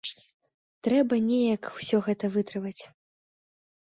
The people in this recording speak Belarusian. Трэба неяк усё гэта вытрываць.